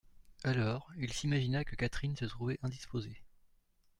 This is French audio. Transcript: Alors, il s'imagina que Catherine se trouvait indisposée.